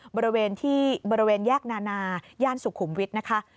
บริเวณแยกนานาย่านสุขุมวิทย์นะคะ